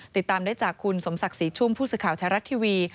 ติดตามได้จากคุณสมศักดิ์ศรีชุ่มผู้สื่อข่าวไทยรัฐทีวี